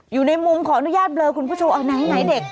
อยู่ในมุมขออนุญาตเบลอคุณผู้ชมเอาไหนเด็ก